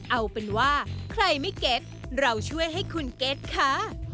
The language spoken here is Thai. เอาเป็นว่าใครไม่เก็ตเราช่วยให้คุณเก็ตค่ะ